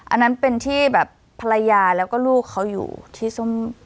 อันนั้นเป็นที่แบบภรรยาแล้วก็ลูกเขาอยู่ที่ส้ม